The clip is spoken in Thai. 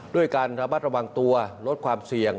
ด้วยการระมัดระวังตัวลดความเสี่ยง